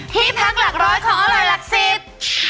ที่พักหลักร้อยของอร่อยหลักสิบ